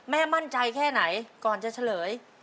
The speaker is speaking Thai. มั่นใจแค่ไหนก่อนจะเฉลย